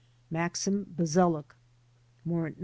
Maxim Bazduk (Warrant No.